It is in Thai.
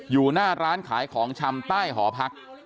อยู่หน้าร้านขายของชำใต้หอพัก